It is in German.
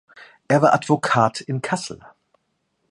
Er war Advokat in Kassel.